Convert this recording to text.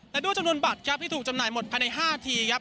และด้วยจำนวนบัตรที่ถูกจำหน่ายหมดภายใน๕ที